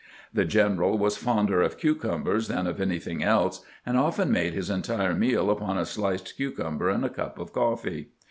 The general was fonder of cucumbers than of anything else, and often made his entire meal upon a sliced cucumber and a cup of coffee.